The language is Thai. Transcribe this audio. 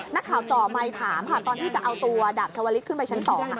นักข่าวจ่อมัยถามตอนที่จะเอาตัวดาบชาวฤทธิ์ขึ้นไปชั้น๒